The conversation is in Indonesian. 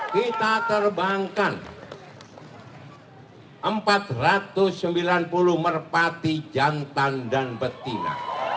kita terbangkan empat ratus sembilan puluh merpati jantan dan betina